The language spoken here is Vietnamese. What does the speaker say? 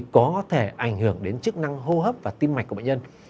có thể ảnh hưởng đến chức năng hô hấp và tim mạch của bệnh nhân